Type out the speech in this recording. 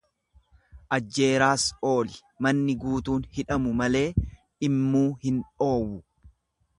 Ajjeeraas ooli manni guutuun hidhamu malee dhimmuu hin dhoowwu.